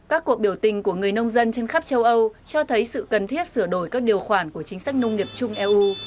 các cuộc biểu tình của người nông dân trên khắp châu âu cho thấy sự cần thiết sửa đổi các điều khoản của chính sách nông nghiệp chung eu